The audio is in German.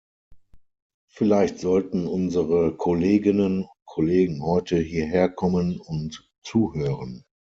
Vielleicht sollten unsere Kolleginnen und Kollegen heute hierherkommen und zuhören.